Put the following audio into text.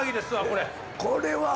これは。